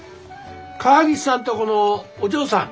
川岸さんとこのお嬢さん。